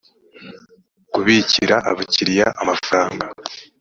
kubikira abakiriya amafaranga